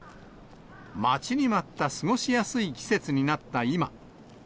待ちに待った過ごしやすい季節になった今。